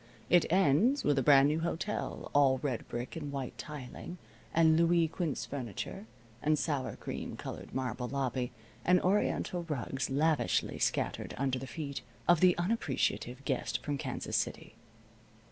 It ends with a brand new hotel, all red brick, and white tiling, and Louise Quinze furniture, and sour cream colored marble lobby, and oriental rugs lavishly scattered under the feet of the unappreciative guest from Kansas City.